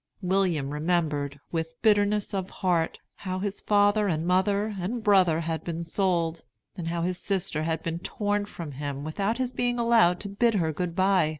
William remembered, with bitterness of heart, how his father and mother and brother had been sold, and how his sister had been torn from him without his being allowed to bid her good by.